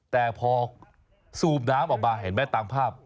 แต่พอสูบน้ำออกมาเห็นไหมตามภาพ